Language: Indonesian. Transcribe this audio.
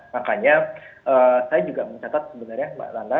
makanya saya juga mencatat sebenarnya mbak nana